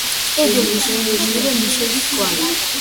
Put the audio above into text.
კედელზე შეინიშნება ნიშების კვალი.